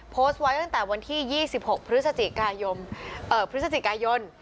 โพสต์ไว้ตั้งแต่วันที่๒๖พฤศจิกายนพฤศจิกายน